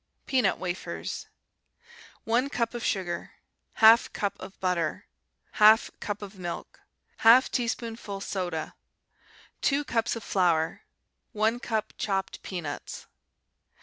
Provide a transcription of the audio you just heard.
Peanut Wafers 1 cup of sugar. 1/2 cup of butter. 1/2 cup of milk. 1/2 teaspoonful soda. 2 cups of flour. 1 cup chopped peanuts.